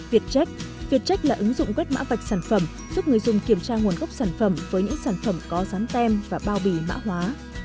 vietjet vietjet là ứng dụng quét mã vạch sản phẩm giúp người dùng kiểm tra nguồn gốc sản phẩm với những sản phẩm có dán tem và bao bì mã hóa